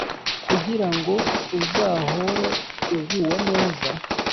kugira ngo uzahore uguwe neza